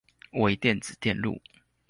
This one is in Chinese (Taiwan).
微電子電路